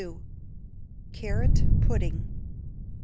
Carrot Pudding.